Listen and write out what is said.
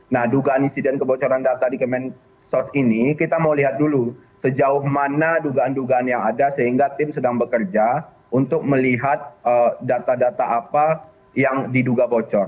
nah dugaan isiden kebocoran data di kementerian sosial ini kita mau lihat dulu sejauh mana dugaan dugaan yang ada sehingga tim sedang bekerja untuk melihat data data apa yang diduga bocor